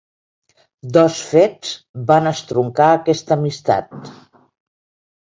Dos fets van estroncar aquesta amistat.